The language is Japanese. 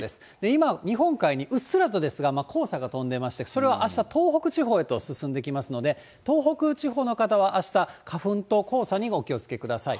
今、日本海にうっすらとですが黄砂が飛んでいまして、それはあした東北地方へと進んできますので、東北地方の方はあした、花粉と黄砂にお気をつけください。